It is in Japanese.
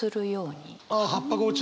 あっ葉っぱが落ちる。